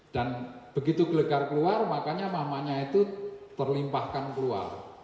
dan begitu gelegar keluar makanya mahmahnya itu terlimpahkan keluar